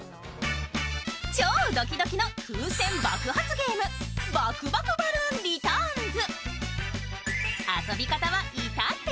超ドキドキの風船爆発ゲーム、「爆爆バルーンリターンズ」。